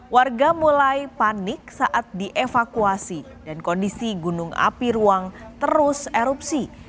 warga mulai panik saat dievakuasi dan kondisi gunung api ruang terus erupsi